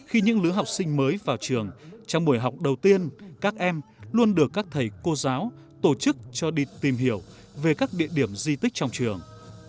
khi những lứa học sinh mới vào trường trong buổi học đầu tiên các em luôn được các thầy cô giáo tổ chức cho đi tìm hiểu về các địa điểm di tích trong trường